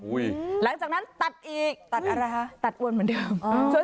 หลังจากนั้นตัดอีกตัดอะไรคะตัดอวนเหมือนเดิม